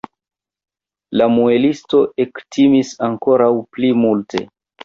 La muelisto ektimis ankoraŭ pli multe.